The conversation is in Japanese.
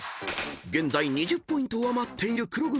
［現在２０ポイント上回っている黒組］